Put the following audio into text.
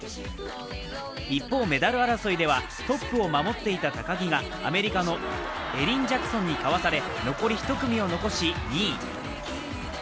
一方、メダル争いではトップを守っていた高木がアメリカのエリン・ジャクソンにかわされ残り１組を残し、２位。